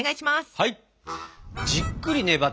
はい！